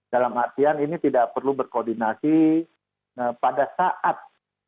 dalam artian ini tidak perlu berkoordinasi pada saat